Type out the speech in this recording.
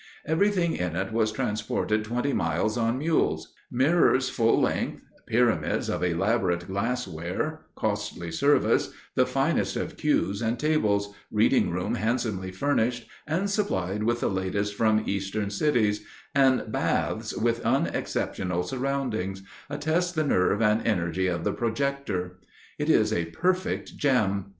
Everything in it was transported twenty miles on mules; mirrors full length, pyramids of elaborate glassware, costly service, the finest of cues and tables, reading room handsomely furnished and supplied with the latest from Eastern cities, and baths with unexceptionable surroundings, attest the nerve and energy of the projector. It is a perfect gem.